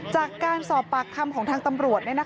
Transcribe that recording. จากการสอบปากคำของทางตำรวจ